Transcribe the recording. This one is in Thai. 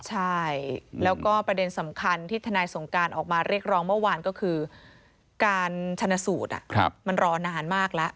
ใช่แล้วก็ประเด็นสำคัญที่ทนายสงการออกมาเรียกร้องเมื่อวานก็คือการชนะสูตรมันรอนานมากแล้ว